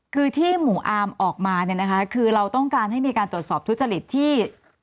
คือที่หมู่อาร์มออกมาเนี่ยนะคะคือเราต้องการให้มีการตรวจสอบทุจริตที่